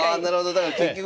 だから結局。